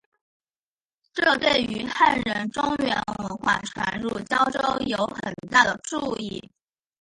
这对于汉人中原文化传入交州有很大的助益。